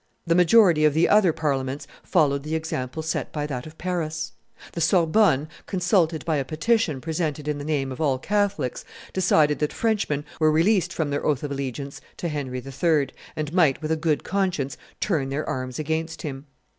The majority of the other Parliaments followed the example set by that of Paris. The Sorbonne, consulted by a petition presented in the name of all Catholics, decided that Frenchmen were released from their oath of allegiance to Henry III., and might with a good conscience turn their arms against him.